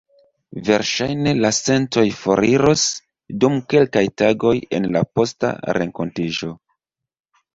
Verŝajne la sentoj foriros dum kelkaj tagoj en la posta renkontiĝo.